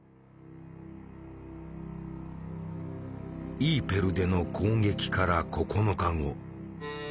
イーペルでの攻撃から９日後。